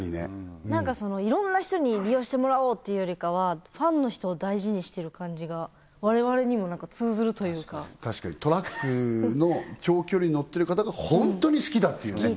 何かそのいろんな人に利用してもらおうっていうよりかはファンの人を大事にしてる感じが我々にも何か通ずるというか確かにトラックの長距離乗ってる方が本当に好きだっていうね